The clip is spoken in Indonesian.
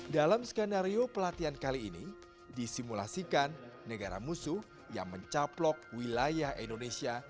dalam skenario pelatihan kali ini disimulasikan negara musuh yang mencaplok wilayah indonesia